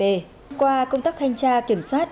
hôm qua công tác thanh tra kiểm soát